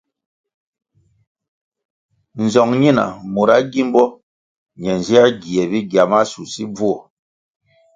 Nzong nina mura gímbo ne nzier gie bigya masusi bvuo.